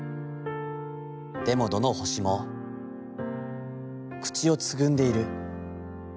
でもどの星も、口をつぐんでいる。